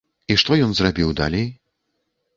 І што ён зрабіў далей?